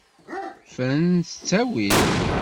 Fren s ttawil.